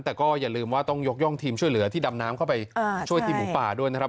แต่ก็อย่าลืมว่าต้องยกย่องทีมช่วยเหลือที่ดำน้ำเข้าไปช่วยทีมหมูป่าด้วยนะครับ